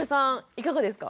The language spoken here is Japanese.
いかがですか？